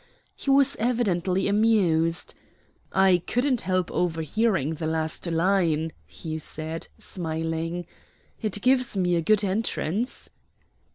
He was evidently amused. "I couldn't help overhearing the last line," he said, smiling. "It gives me a good entrance."